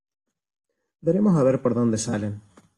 Veremos a ver por dónde salen.